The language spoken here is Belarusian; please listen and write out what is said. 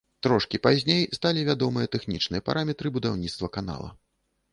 Трошкі пазней сталі вядомыя тэхнічныя параметры будаўніцтва канала.